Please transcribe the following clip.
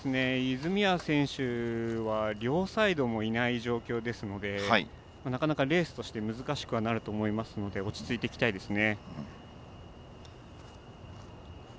泉谷選手は両サイドがいない状況ですのでなかなかレースとしては難しくなると思いますが落ち着いていきたいですね。